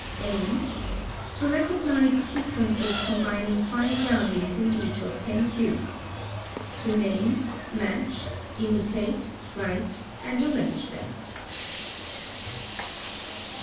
Aim. To recognize sequences combining five values in each of ten hues. To name, match, imitate, WRITE, and arrange them.